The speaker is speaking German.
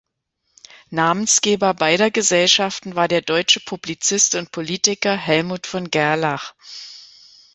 Namensgeber beider Gesellschaften war der deutsche Publizist und Politiker Hellmut von Gerlach.